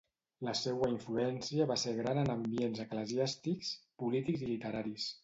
La seua influència va ser gran en ambients eclesiàstics, polítics i literaris.